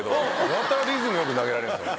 やたらリズム良く投げられるんすよ。